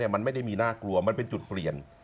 มันไม่ได้มีน่ากลัวมันเป็นจุดเปลี่ยน